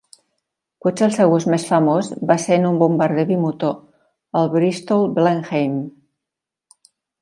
Potser el seu ús més famós va ser en un bombarder bimotor, el Bristol Blenheim.